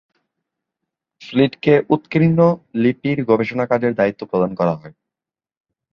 ফ্লিটকে উৎকীর্ণ লিপির গবেষণা কাজের দায়িত্ব প্রদান করা হয়।